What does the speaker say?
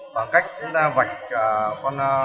bằng cách chúng ta vạch con này